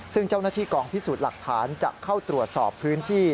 ซึ่งเจ้าหน้าที่กองพิสูจน์หลักฐานจะเข้าตรวจสอบพื้นที่